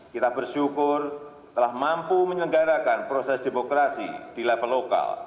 kita bersyukur telah mampu menyelenggarakan proses demokrasi di level lokal